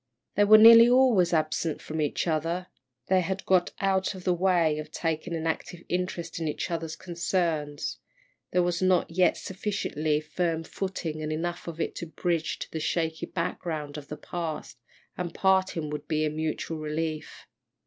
They were nearly always absent from each other, they had got out of the way of taking an active interest in each other's concerns there was not yet sufficiently firm footing and enough of it to bridge to the shaky background of the past, and parting would be a mutual relief.